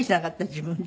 自分で。